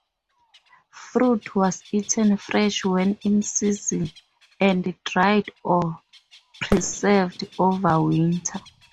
Fruit was eaten fresh when in season, and dried or preserved over winter.